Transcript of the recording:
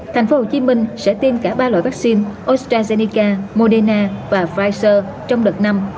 thành phố hồ chí minh sẽ tiêm cả ba loại vaccine astrazeneca moderna và pfizer trong đợt năm